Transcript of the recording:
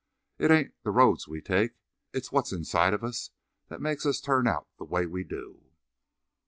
"It ain't the roads we take; it's what's inside of us that makes us turn out the way we do."